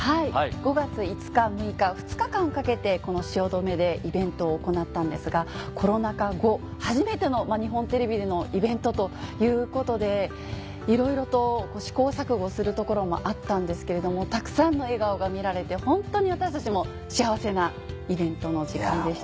５月５日６日２日間かけてこの汐留でイベントを行ったんですがコロナ禍後初めての日本テレビでのイベントということでいろいろと試行錯誤するところもあったんですけれどもたくさんの笑顔が見られてホントに私たちも幸せなイベントの時間でした。